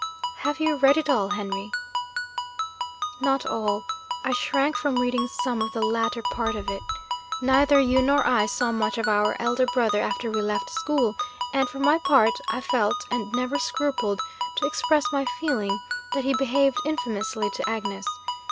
'Have you read it all, Henry?' 'Not all. I shrank from reading some of the latter part of it. Neither you nor I saw much of our elder brother after we left school; and, for my part, I felt, and never scrupled to express my feeling, that he behaved infamously to Agnes.